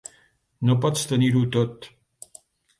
No pots tenir-ho tot.